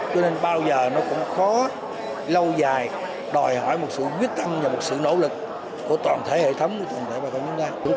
cho nên bao giờ nó cũng khó lâu dài đòi hỏi một sự quyết tâm và một sự nỗ lực của toàn thể hệ thống của toàn thể bà con chúng ta